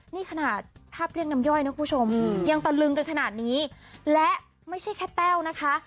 นี่ขนาดภาพเรียกน้ำย่อยนะคุณผู้ชมยังตะลึงกันขนาดนี้และไม่ใช่แค่แต้วนะคะ